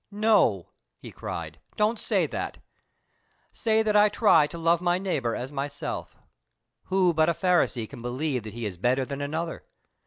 "No!" he cried. "Don't say that! Say that I try to love my neighbor as myself. Who but a Pharisee can believe that he is better than another?